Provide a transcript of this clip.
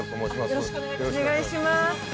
よろしくお願いします。